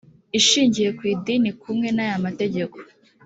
ishingiye ku idini kumwe n aya mategeko